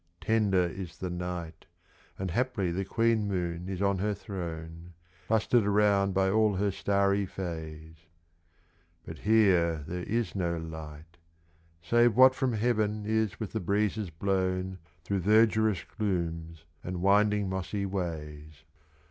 tender is the night, 35 And haply the Queen Moon is on her throne, Clustered around by all her starry Fays; But here there is no light, Save what from heaven is with the breezes blown Through verdurous glooms and winding mossy ways.